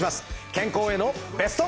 健康へのベスト。